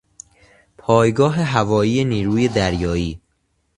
پایگاه هوایی نیروی دریایی